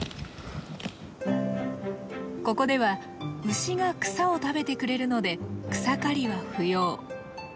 ここでは牛が草を食べてくれるので草刈りは不要。